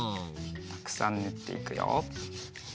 たくさんぬっていくよ。